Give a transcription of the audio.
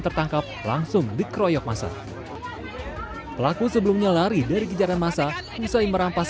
tertangkap langsung dikeroyok masa pelaku sebelumnya lari dari kejaran masa usai merampas